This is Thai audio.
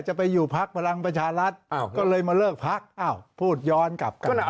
จะไปอยู่พักพลังประชารัฐก็เลยมาเลิกพักอ้าวพูดย้อนกลับกัน